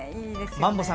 マンボさん